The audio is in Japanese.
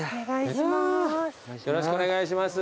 よろしくお願いします。